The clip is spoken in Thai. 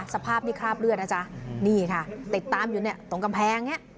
สภาพนี่คราบเลือดนะจ๊ะนี่ค่ะติดตามอยู่เนี่ยตรงกำแพงเนี่ย